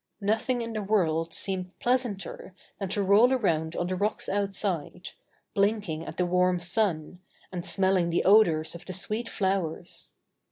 Nothing in the world seemed pleasanter than to roll around on the rocks outside, blinking at the warm sun, and smelling the odors of the sweet flowers.